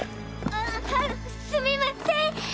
あすみません！